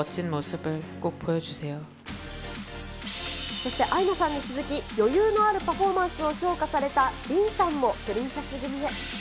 そしてアイナさんに続き、余裕のあるパフォーマンスを評価されたリンさんもプリンセス組へ。